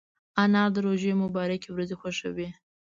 انا د روژې مبارکې ورځې خوښوي